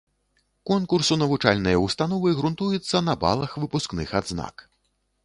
Конкурс у навучальныя ўстановы грунтуецца на балах выпускных адзнак.